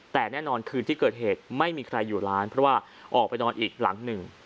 แต่แน่นอนคืนที่เกิดเหตุไม่มีใครอยู่ร้านเพราะว่าออกไปนอนอีกหลังหนึ่ง